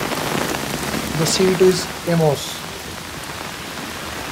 The seat is Amos.